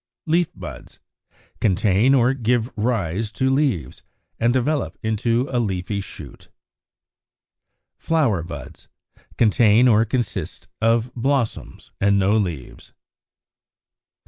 Leaf buds, contain or give rise to leaves, and develop into a leafy shoot. Flower buds, contain or consist of blossoms, and no leaves.